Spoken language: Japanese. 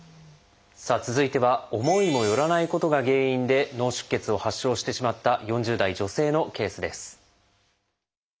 さあ続いては思いもよらないことが原因で脳出血を発症してしまった４０代女性のケースです。